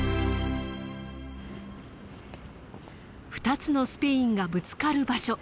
２つのスペインがぶつかる場所。